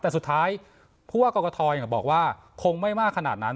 แต่สุดท้ายผู้ว่ากรกฐบอกว่าคงไม่มากขนาดนั้น